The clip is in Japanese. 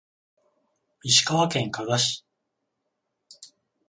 石川県加賀市